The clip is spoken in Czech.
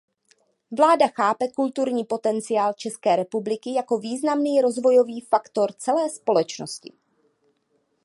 Vláda chápe kulturní potenciál České republiky jako významný rozvojový faktor celé společnosti.